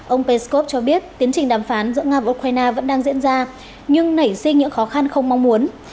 ông peskov cho biết tiến trình đàm phán giữa nga và ukraine vẫn đang diễn ra nhưng nảy sinh những khó khăn không mong muốn